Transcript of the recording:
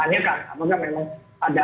karena kalau ada data indonesia yang bocor